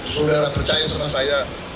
saudara percaya sama saya